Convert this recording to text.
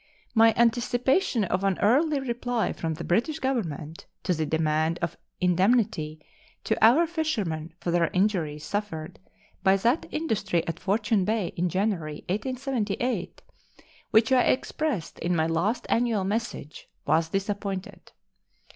My anticipation of an early reply from the British Government to the demand of indemnity to our fishermen for the injuries suffered by that industry at Fortune Bay in January, 1878, which I expressed in my last annual message, was disappointed.